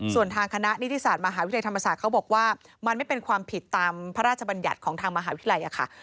ส่วนทางคณะนิติศาสตร์มหาวิทยาลัยธรรมศาสตร์เขาบอกว่ามันไม่เป็นความผิดตามพระราชบัญญัติของทางมหาวิทยาลัยค่ะ